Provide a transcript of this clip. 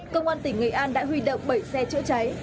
công an tỉnh nghệ an đã huy động bảy xe chữa cháy